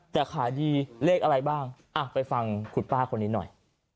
แต่ขายดีเลขอะไรบ้างไปฟังคุณป้าคนนี้หน่อย